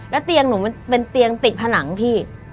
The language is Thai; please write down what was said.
แล้วเตียงหนูมันเป็นเตียงติดผนังพี่